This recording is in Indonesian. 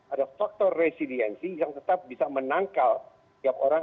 ada faktor resiliensi yang tetap bisa menangkal tiap orang